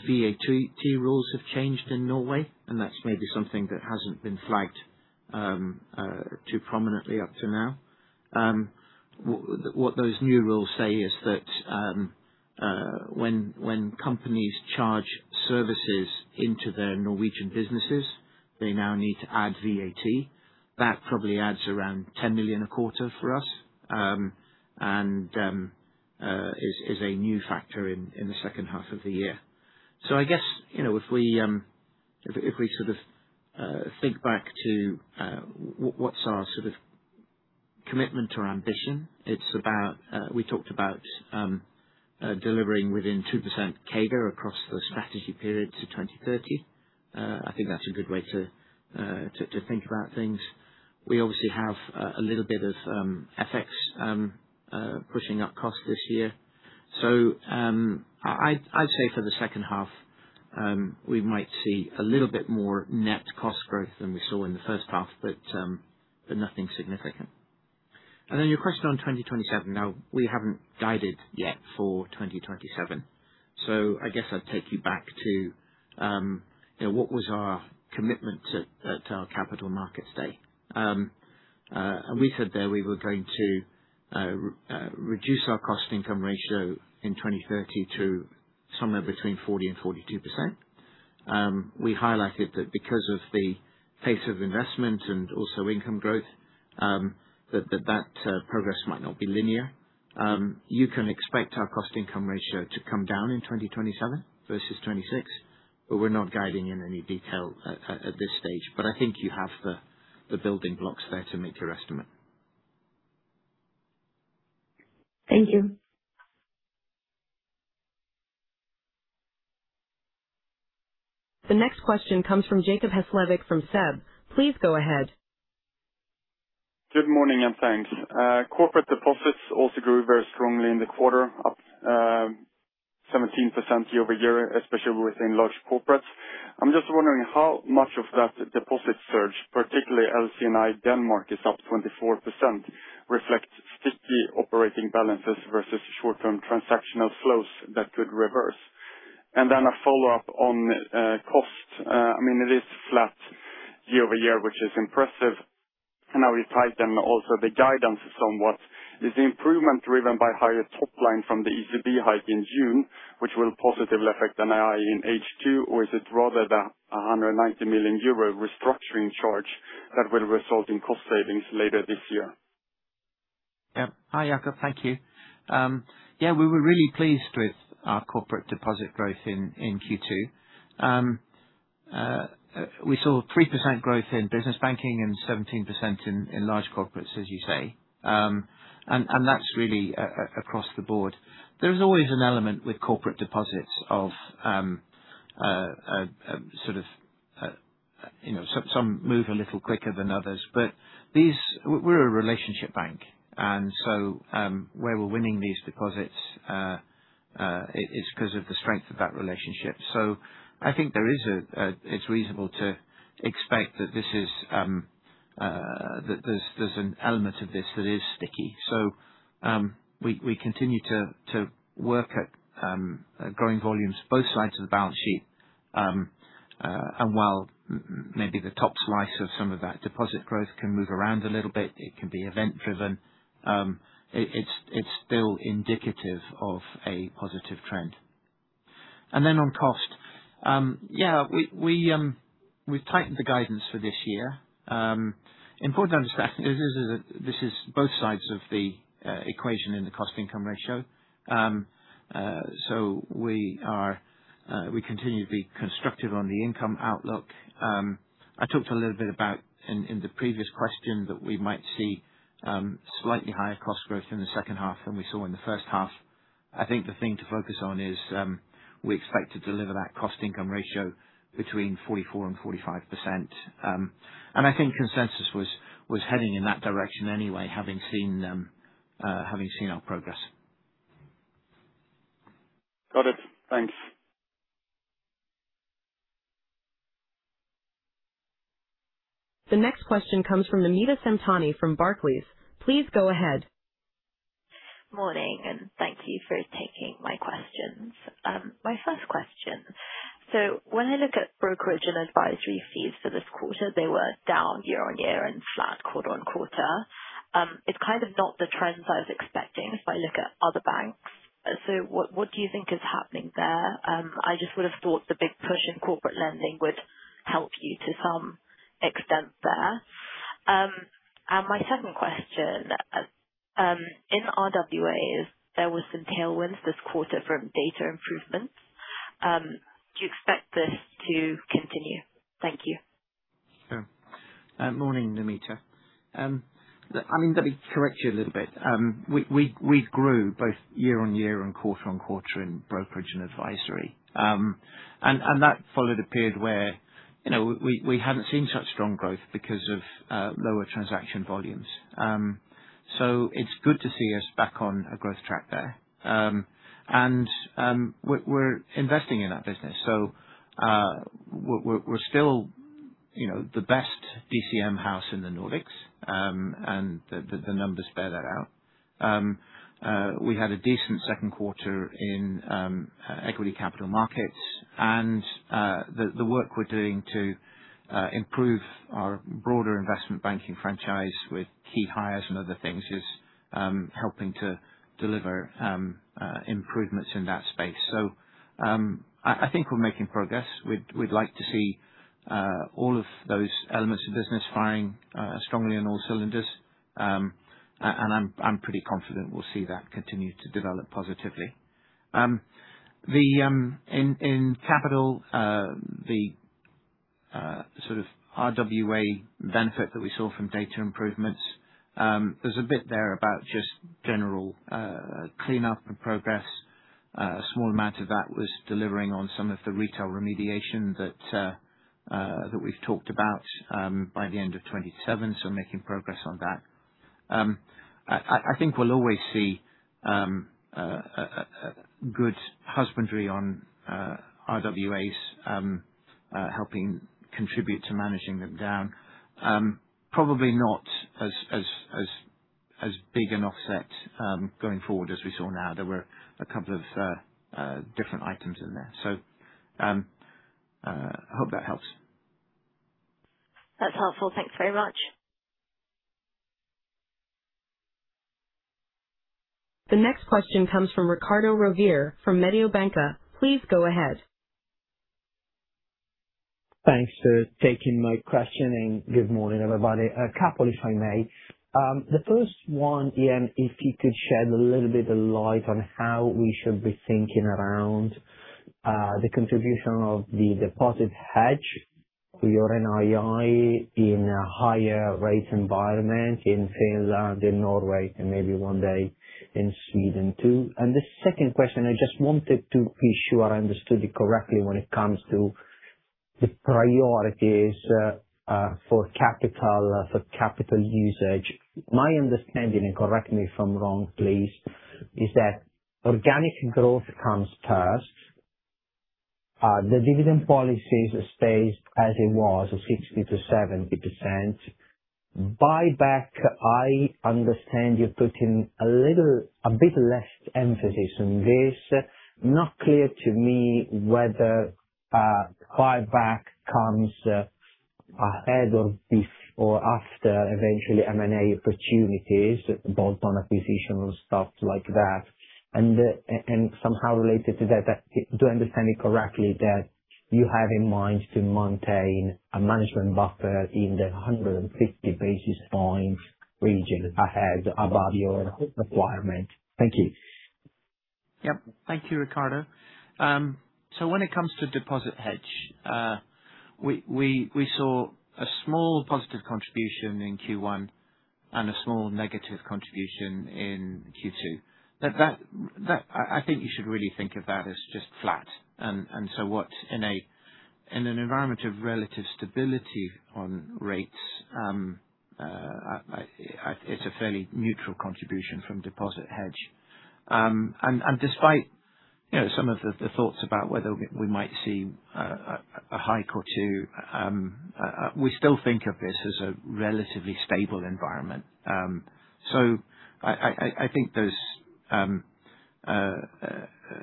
S5: VAT rules have changed in Norway, and that's maybe something that hasn't been flagged too prominently up to now. What those new rules say is that when companies charge services into their Norwegian businesses, they now need to add VAT. That probably adds around 10 million a quarter for us and is a new factor in the second half of the year. I guess, if we think back to what's our commitment to our ambition, we talked about delivering within 2% CAGR across the strategy period to 2030. I think that's a good way to think about things. We obviously have a little bit of FX pushing up costs this year. I'd say for the second half, we might see a little bit more net cost growth than we saw in the first half, but nothing significant. Your question on 2027. We haven't guided yet for 2027, I guess I'd take you back to what was our commitment at our Capital Markets Day. We said there we were going to reduce our cost-to-income ratio in 2030 to somewhere between 40%-42%. We highlighted that because of the pace of investment and also income growth, that progress might not be linear. You can expect our cost-to-income ratio to come down in 2027 versus 2026, but we're not guiding in any detail at this stage. I think you have the building blocks there to make your estimate.
S8: Thank you.
S3: The next question comes from Jacob Hesslevik from SEB. Please go ahead.
S9: Good morning, and thanks. Corporate deposits also grew very strongly in the quarter, up 17% year-over-year, especially within Large Corporates. I'm just wondering how much of that deposit surge, particularly LC&I Denmark is up 24%, reflects sticky operating balances versus short-term transactional flows that could reverse. A follow-up on cost. It is flat year-over-year, which is impressive, and now we've tightened also the guidance somewhat. Is the improvement driven by higher top line from the ECB hike in June, which will positively affect NII in H2? Or is it rather that 190 million euro restructuring charge that will result in cost savings later this year?
S5: Hi, Jacob. Thank you. We were really pleased with our corporate deposit growth in Q2. We saw 3% growth in Business Banking and 17% in Large Corporates, as you say. That's really across the board. There's always an element with corporate deposits of some move a little quicker than others. We're a relationship bank. Where we're winning these deposits, it's because of the strength of that relationship. I think it's reasonable to expect that there's an element of this that is sticky. We continue to work at growing volumes, both sides of the balance sheet. While maybe the top slice of some of that deposit growth can move around a little bit, it can be event-driven. It's still indicative of a positive trend. On cost. We've tightened the guidance for this year. Important to understand, this is both sides of the equation in the cost-to-income ratio. We continue to be constructive on the income outlook. I talked a little bit about in the previous question that we might see slightly higher cost growth in the second half than we saw in the first half. I think the thing to focus on is we expect to deliver that cost-to-income ratio between 44% and 45%. I think consensus was heading in that direction anyway, having seen our progress.
S9: Got it. Thanks.
S3: The next question comes from Namita Samtani from Barclays. Please go ahead.
S10: Morning. Thank you for taking my questions. My first question. When I look at brokerage and advisory fees for this quarter, they were down year-on-year and flat quarter-on-quarter. It's kind of not the trends I was expecting if I look at other banks. What do you think is happening there? I just would've thought the big push in corporate lending would help you to some extent there. My second question. In RWAs, there were some tailwinds this quarter from data improvements. Do you expect this to continue? Thank you.
S5: Sure. Morning, Namita. Let me correct you a little bit. We grew both year-on-year and quarter-on-quarter in brokerage and advisory. That followed a period where we hadn't seen such strong growth because of lower transaction volumes. It's good to see us back on a growth track there. We're investing in that business. We're still the best DCM house in the Nordics, and the numbers bear that out. We had a decent second quarter in equity capital markets and the work we're doing to improve our broader investment banking franchise with key hires and other things is helping to deliver improvements in that space. I think we're making progress. We'd like to see all of those elements of the business firing strongly on all cylinders. I'm pretty confident we'll see that continue to develop positively. In capital, the sort of RWA benefit that we saw from data improvements, there's a bit there about just general cleanup and progress. A small amount of that was delivering on some of the retail remediation that we've talked about by the end of 2027, making progress on that. I think we'll always see good husbandry on RWAs helping contribute to managing them down. Probably not as big an offset going forward as we saw now. There were a couple of different items in there. I hope that helps.
S10: That's helpful. Thanks very much.
S3: The next question comes from Riccardo Rovere from Mediobanca. Please go ahead.
S11: Thanks for taking my question. Good morning, everybody. A couple, if I may. The first one, Ian, if you could shed a little bit of light on how we should be thinking around the contribution of the deposit hedge to your NII in a higher rate environment in Finland and Norway, and maybe one day in Sweden too. The second question, I just wanted to be sure I understood you correctly when it comes to the priorities for capital usage. My understanding, and correct me if I'm wrong, please, is that organic growth comes first. The dividend policy stays as it was, 60%-70%. Buyback, I understand you're putting a bit less emphasis on this. Not clear to me whether buyback comes ahead of this or after eventually M&A opportunities, bolt-on acquisitions, stuff like that. Somehow related to that, do I understand it correctly that you have in mind to maintain a management buffer in the 150 basis point region ahead above your requirement? Thank you.
S5: Yes. Thank you, Riccardo. When it comes to deposit hedge, we saw a small positive contribution in Q1 and a small negative contribution in Q2. I think you should really think of that as just flat. In an environment of relative stability on rates, it's a fairly neutral contribution from deposit hedge. Despite some of the thoughts about whether we might see a hike or two, we still think of this as a relatively stable environment. I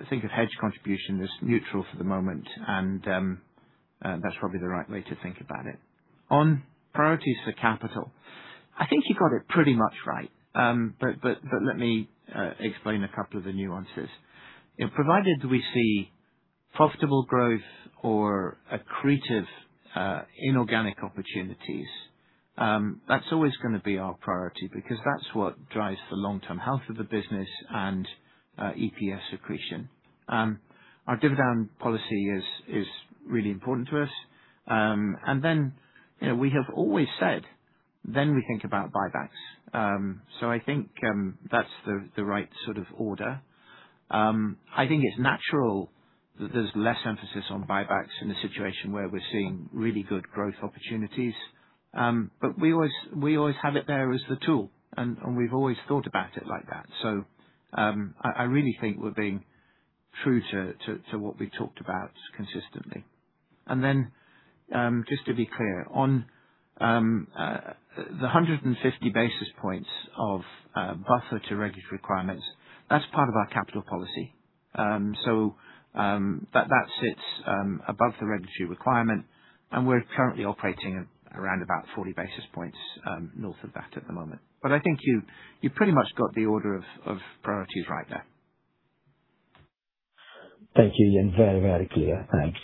S5: think of hedge contribution as neutral for the moment, and that's probably the right way to think about it. On priorities for capital, I think you got it pretty much right. Let me explain a couple of the nuances. Provided we see profitable growth or accretive inorganic opportunities, that's always going to be our priority because that's what drives the long-term health of the business and EPS accretion. Our dividend policy is really important to us. We have always said then we think about buybacks. I think that's the right sort of order. I think it's natural that there's less emphasis on buybacks in a situation where we're seeing really good growth opportunities. We always have it there as the tool, and we've always thought about it like that. I really think we're being true to what we talked about consistently. Just to be clear. On the 150 basis points of buffer to regulatory requirements, that's part of our capital policy. That sits above the regulatory requirement, and we're currently operating around about 40 basis points north of that at the moment. I think you pretty much got the order of priorities right there.
S11: Thank you. You're very, very clear. Thanks.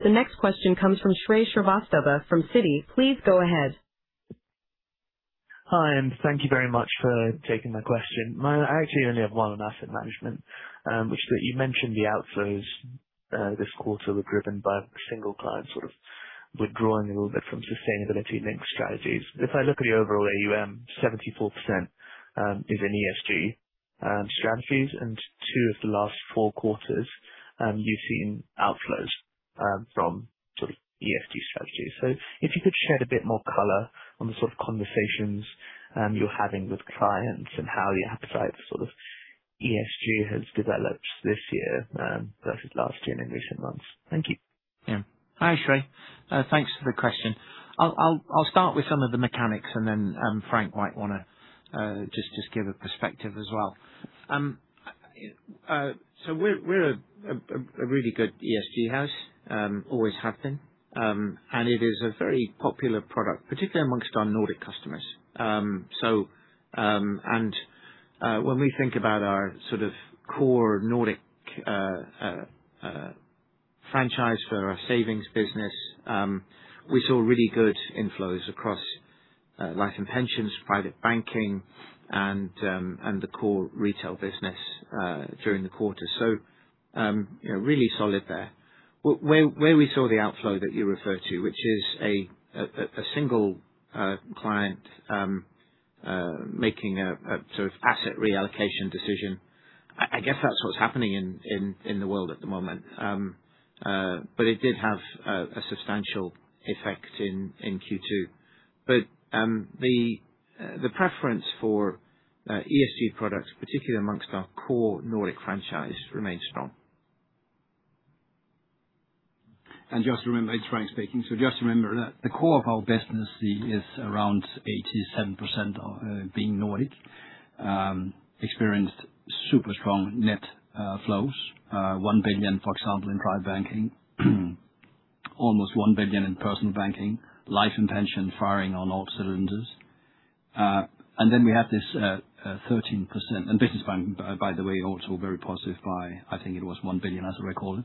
S3: The next question comes from Shrey Srivastava from Citi. Please go ahead.
S12: Hi, thank you very much for taking my question. I actually only have one on asset management. You mentioned the outflows this quarter were driven by a single client sort of withdrawing a little bit from sustainability linked strategies. If I look at the overall AUM, 74% is in ESG strategies, and two of the last four quarters, you've seen outflows from sort of ESG strategies. If you could shed a bit more color on the sort of conversations you're having with clients and how your appetite for sort of ESG has developed this year versus last year and in recent months. Thank you.
S5: Hi, Shrey. Thanks for the question. I'll start with some of the mechanics and then Frank might want to just give a perspective as well. We're a really good ESG house. Always have been. It is a very popular product, particularly amongst our Nordic customers. When we think about our sort of core Nordic franchise for our savings business, we saw really good inflows across Life & Pensions, Private Banking, and the core retail business during the quarter. Really solid there. Where we saw the outflow that you refer to, which is a single client making a sort of asset reallocation decision. I guess that's what's happening in the world at the moment. It did have a substantial effect in Q2. The preference for ESG products, particularly amongst our core Nordic franchise, remains strong.
S2: Just remember It's Frank speaking. Just remember that the core of our business is around 87% being Nordic, experienced super strong net flows. 1 billion, for example, in Private Banking, almost 1 billion in Personal Banking, Life & Pension firing on all cylinders. We have this 13%. Business Banking, by the way, also very positive by, I think it was 1 billion, as I recall it.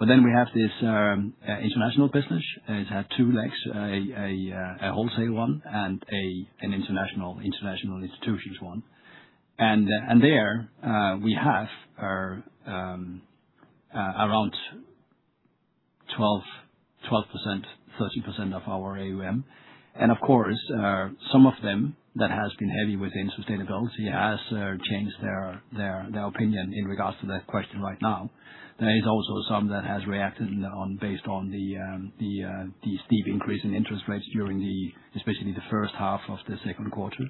S2: We have this international business. It has two legs, a wholesale one and an international institutions one. There, we have around 12%, 13% of our AUM. Of course, some of them that has been heavy within sustainability has changed their opinion in regards to that question right now. There is also some that has reacted based on the steep increase in interest rates during especially the first half of the second quarter.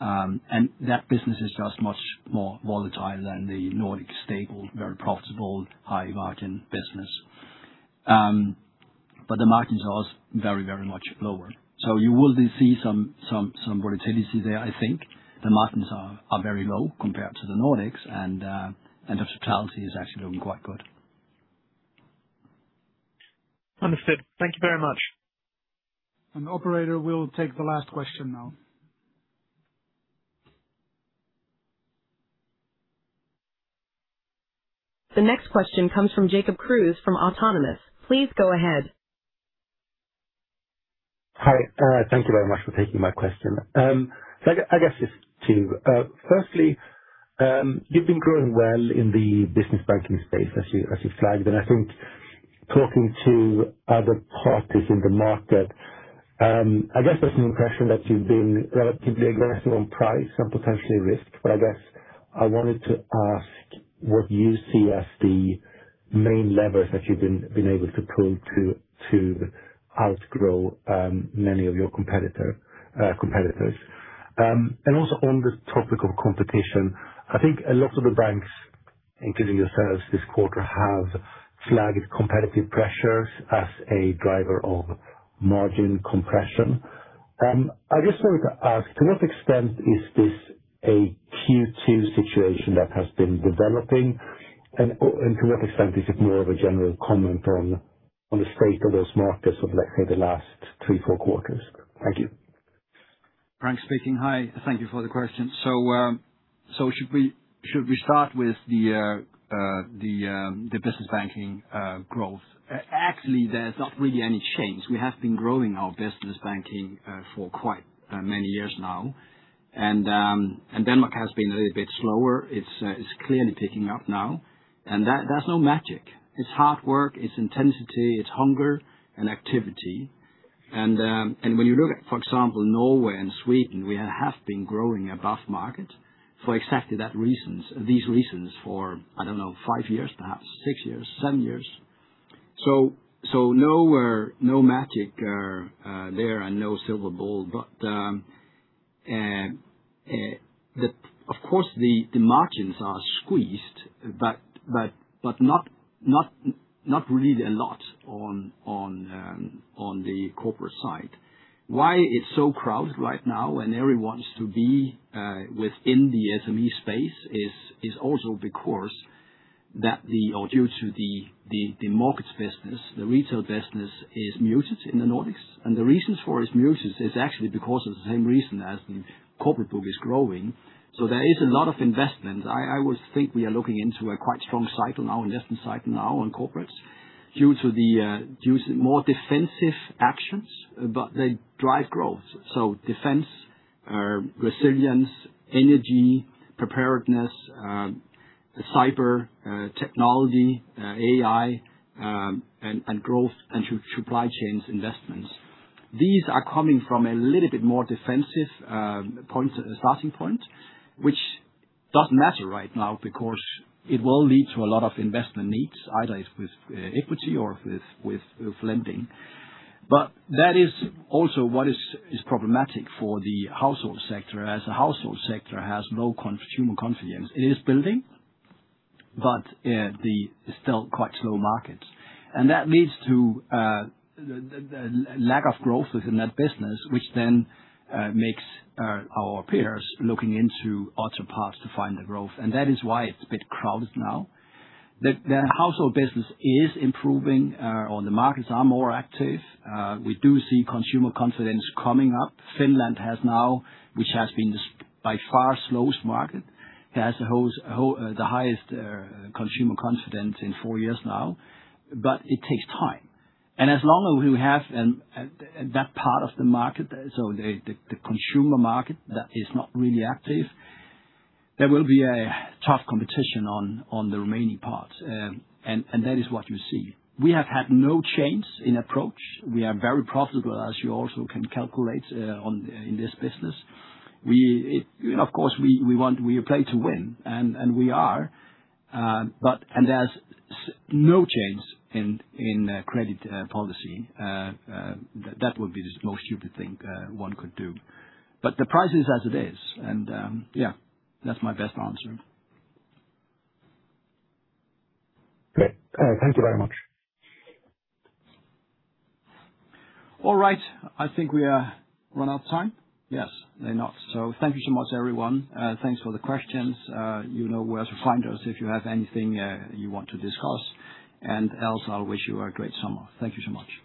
S2: That business is just much more volatile than the Nordic stable, very profitable, high margin business. The margin is also very, very much lower. You will see some volatility there, I think. The margins are very low compared to the Nordics, and the totality is actually doing quite good.
S12: Understood. Thank you very much.
S1: Operator, we'll take the last question now.
S3: The next question comes from Jacob Kruse from Autonomous. Please go ahead.
S13: Hi. Thank you very much for taking my question. I guess just two. Firstly, you've been growing well in the Business Banking space as you flagged, and I think talking to other parties in the market, I guess there's an impression that you've been relatively aggressive on price and potentially risk. I guess I wanted to ask what you see as the main levers that you've been able to pull to outgrow many of your competitors. Also on the topic of competition, I think a lot of the banks, including yourselves this quarter, have flagged competitive pressures as a driver of margin compression. I just wanted to ask, to what extent is this a Q2 situation that has been developing? To what extent is it more of a general comment on the state of those markets of, let's say, the last three, four quarters? Thank you.
S2: Frank speaking. Hi. Thank you for the question. Should we start with the Business Banking growth? Actually, there's not really any change. We have been growing our Business Banking for quite many years now. Denmark has been a little bit slower. It's clearly picking up now. There's no magic. It's hard work, it's intensity, it's hunger and activity. When you look at, for example, Norway and Sweden, we have been growing above market for exactly these reasons for, I don't know, five years, perhaps six years, seven years. No magic there and no silver bullet. Of course, the margins are squeezed, but not really a lot on the corporate side. Why it's so crowded right now and everyone wants to be within the SME space is also because that or due to the markets business, the retail business is muted in the Nordics, and the reasons for its muted is actually because of the same reason as the corporate book is growing. There is a lot of investment. I would think we are looking into a quite strong cycle now, investment cycle now on corporates due to more defensive actions, but they drive growth. Defense, resilience, energy, preparedness, cyber technology, AI, and growth and supply chains investments. These are coming from a little bit more defensive starting point, which doesn't matter right now because it will lead to a lot of investment needs, either with equity or with lending. That is also what is problematic for the household sector, as the household sector has low consumer confidence. It is building, but it's still quite slow markets. That leads to lack of growth within that business, which then makes our peers looking into other parts to find the growth. That is why it's a bit crowded now. The household business is improving, or the markets are more active. We do see consumer confidence coming up. Finland has now, which has been the, by far slowest market, has the highest consumer confidence in four years now, but it takes time. As long as we have that part of the market, so the consumer market that is not really active, there will be a tough competition on the remaining parts. That is what you see. We have had no change in approach. We are very profitable, as you also can calculate in this business. Of course, we play to win, and we are. There's no change in credit policy. That would be the most stupid thing one could do. The price is as it is. Yeah, that's my best answer.
S13: Great. Thank you very much.
S2: All right. I think we run out of time. Yes or not. Thank you so much, everyone. Thanks for the questions. You know where to find us if you have anything you want to discuss. Else, I'll wish you a great summer. Thank you so much.